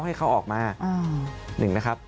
ให้เขาออกมา